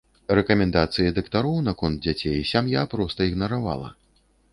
Рэкамендацыі дактароў наконт дзяцей сям'я проста ігнаравала.